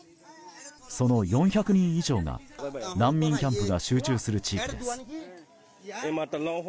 その４００人以上が難民キャンプが集中する地域です。